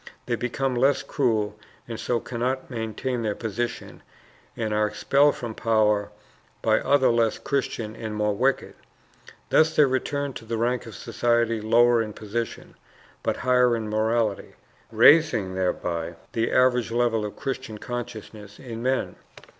They become less cruel and so cannot maintain their position, and are expelled from power by others less Christian and more wicked. Thus they return to a rank of society lower in position, but higher in morality, raising thereby the average level of Christian consciousness in men.